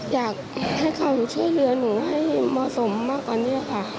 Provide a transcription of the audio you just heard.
อยากให้เขาช่วยเหลือหนูให้เหมาะสมมากกว่านี้ค่ะ